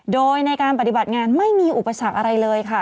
โดยในการปฏิบัติงานไม่มีอุปสรรคอะไรเลยค่ะ